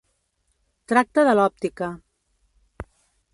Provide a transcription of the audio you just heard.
Tracta de l'òptica.